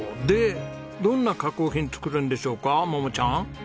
でどんな加工品を作るんでしょうか桃ちゃん。